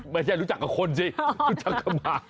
รู้จักกับคนสิรู้จักกับหมา